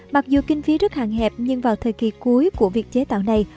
mặc dù kinh phí rất hạn hẹp nhưng vào thời kỳ cuối của việc chế tạo này